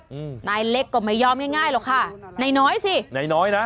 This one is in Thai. อืมนายเล็กก็ไม่ยอมง่ายง่ายหรอกค่ะนายน้อยสินายน้อยนะ